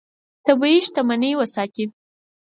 طبیعي شتمنۍ وساتې.